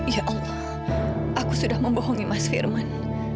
ya allah aku sudah membohongi mas firman